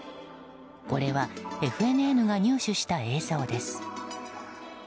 これはＦＮＮが入手した映像です。